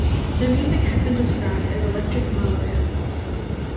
Their music has been described as electric maloya.